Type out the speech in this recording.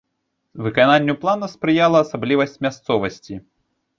Выкананню плана спрыяла асаблівасць мясцовасці.